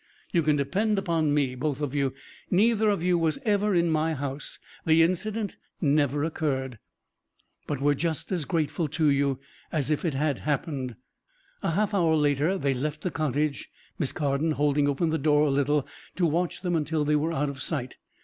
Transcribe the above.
You can depend upon me, both of you. Neither of you was ever in my house. The incident never occurred." "But we're just as grateful to you as if it had happened." A half hour later they left the cottage, Miss Carden holding open the door a little to watch them until they were out of sight.